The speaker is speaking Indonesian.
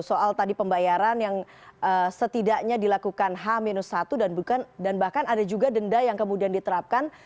soal tadi pembayaran yang setidaknya dilakukan h satu dan bahkan ada juga denda yang kemudian diterapkan